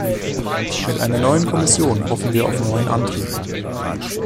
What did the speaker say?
Mit einer neuen Kommission hoffen wir auf neuen Antrieb.